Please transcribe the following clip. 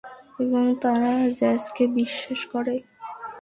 এবং তারা জ্যাজকে বিশ্বাস করে।